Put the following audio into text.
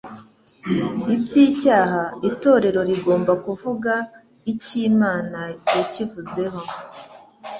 Iby'icyaha, itorero rigomba kuvuga icyo Imana yakivuzeho.